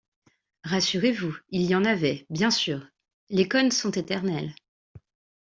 Rassurez-vous, il y en avait, bien sûr… les khons sont éternels.